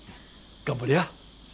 頑張りや。